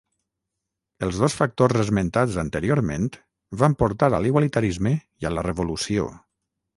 Els dos factors esmentats anteriorment van portar a l'igualitarisme i a la revolució.